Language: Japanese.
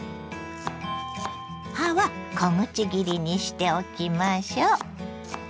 葉は小口切りにしておきましょ。